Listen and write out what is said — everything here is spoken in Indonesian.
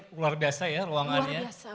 luar biasa ya ruangannya